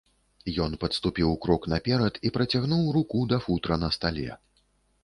Ён падступіў крок наперад і працягнуў руку да футра на стале.